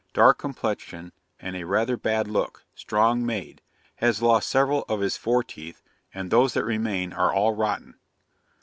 Dark complexion and rather a bad look strong made has lost several of his fore teeth, and those that remain are all rotten.